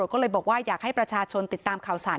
ก็เลยบอกว่าอยากให้ประชาชนติดตามข่าวสาร